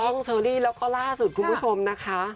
ถูกต้องเชิญดีแล้วก็ล่าสุดคุณผู้ชมนะคะ